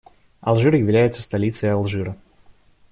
Алжир является столицей Алжира.